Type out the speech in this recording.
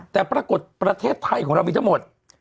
แต่ปรากฏประเทศไทยของเรามีทั้งหมด